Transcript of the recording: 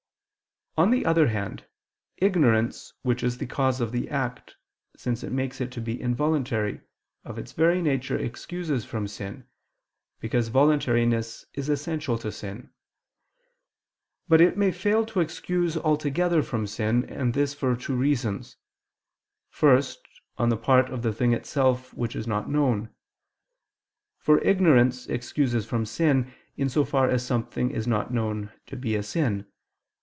On the other hand, ignorance which is the cause of the act, since it makes it to be involuntary, of its very nature excuses from sin, because voluntariness is essential to sin. But it may fail to excuse altogether from sin, and this for two reasons. First, on the part of the thing itself which is not known. For ignorance excuses from sin, in so far as something is not known to be a sin.